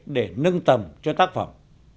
để nâng tầm cho tác phẩm